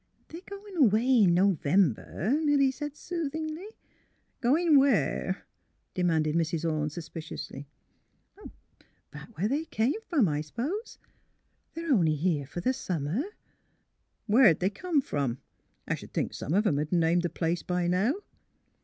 " They're going away in November," Milly said, soothingly, '' Goin' where? " demanded Mrs. Orne, sus piciously. " Back where they came from, I suppose. They're only here for the summer." '' Where 'd they come from ? I sh 'd think some of 'em 'd name the place by now."